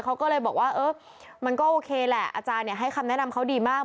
เขาก็เลยบอกว่ามันก็โอเคแหละอาจารย์ให้คำแนะนำเขาดีมาก